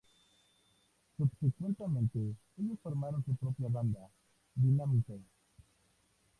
Subsecuentemente ellos formaron su propia banda, Dynamite.